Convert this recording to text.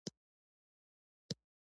د اېران د تخت و تاج لاندي کولو شوق.